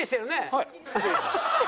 はい。